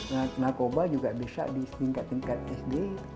nah narkoba juga bisa di tingkat tingkat sd